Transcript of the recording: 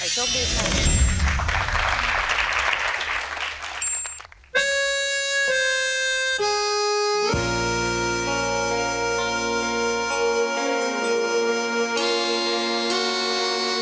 สวัสดีครับ